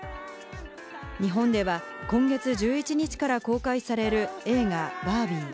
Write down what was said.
日本では今月１１日から公開される映画『バービー』。